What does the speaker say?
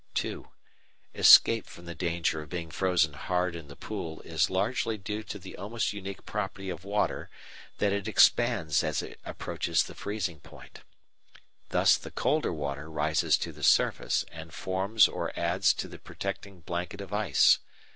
(2) Escape from the danger of being frozen hard in the pool is largely due to the almost unique property of water that it expands as it approaches the freezing point. Thus the colder water rises to the surface and forms or adds to the protecting blanket of ice.